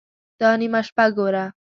_دا نيمه شپه ګوره!